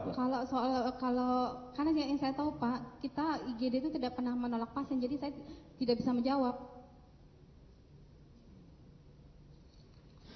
kalau soal kalau karena yang saya tahu pak kita igd itu tidak pernah menolak pasien jadi saya tidak bisa menjawab